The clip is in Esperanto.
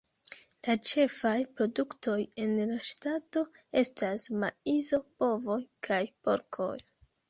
La ĉefaj produktoj en la ŝtato estas maizo, bovoj, kaj porkoj.